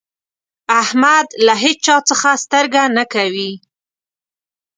احمد له هيچا څځه سترګه نه کوي.